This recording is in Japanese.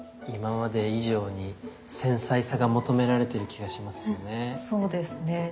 今まで以上に繊細さが求められてる気がしますよね。